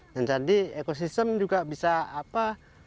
dan jadi ekosistem juga bisa apa